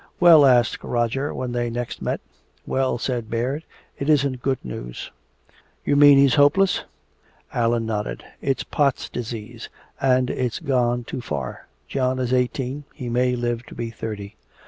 "Well?" asked Roger when next they met. "Well," said Baird, "it isn't good news." "You mean he's hopeless?" Allan nodded: "It's Pott's disease, and it's gone too far. John is eighteen. He may live to be thirty."